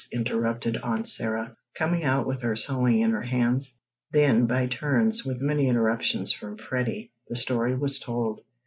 interrupted Aunt Sarah, coming out with her sewing in her hands. Then, by turns, with many interruptions from Freddie, the story was told.